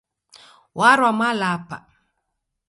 Warwa Malapa.